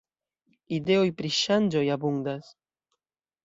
Ideoj pri ŝanĝoj abundas.